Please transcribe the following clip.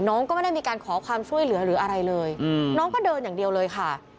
น้องก็ไม่ได้มีการขอความช่วยเหลือหรืออะไรเลยน้องก็เดินอย่างเดียวเลยค่ะ